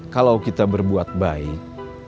kalau kita berbuat baik